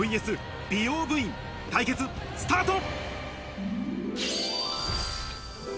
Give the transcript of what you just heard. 美容部員、対決スタート！